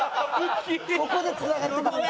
ここでつながるって事や。